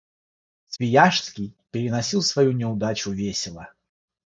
Свияжский переносил свою неудачу весело.